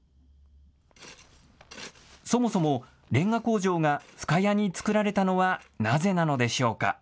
そもそもレンガ工場が深谷に作られたのはなぜなのでしょうか。